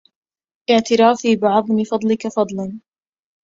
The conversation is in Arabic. إعترافي بعظم فضلك فضل